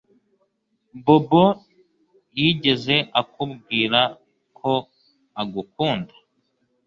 Bobo yigeze akubwira ko agukunda